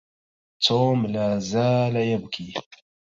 توم لا زال يبكي